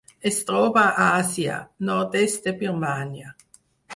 Es troba a Àsia: nord-est de Birmània.